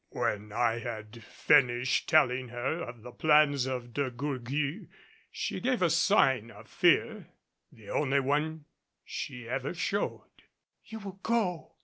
When I had finished telling her of the plans of De Gourgues, she gave a sign of fear the only one she ever showed. "You will go!"